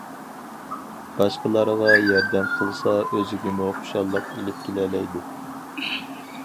باشقىلارغا ياردەم قىلسا ئۆزىگىمۇ خۇشاللىق ئېلىپ كېلەلەيدۇ.